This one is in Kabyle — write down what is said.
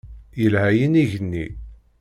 Yelha yinig-nni.